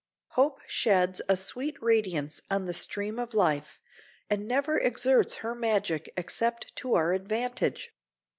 Hope sheds a sweet radiance on the stream of life, and never exerts her magic except to our advantage.